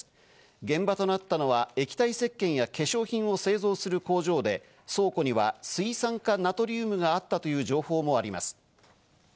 現場となったのは液体石鹸や化粧品を製造する工場で倉庫には水酸化ナトリウムがあったという情報もあります。